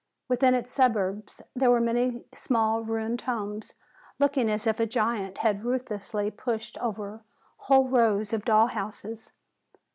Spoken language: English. Within its suburbs there were many small ruined homes, looking as if a giant had ruthlessly pushed over whole rows of dolls' houses.